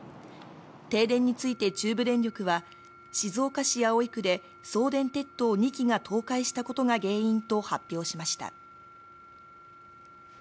停電について中部電力は、静岡市葵区で送電鉄塔２基が倒壊したことが原因と発表しました。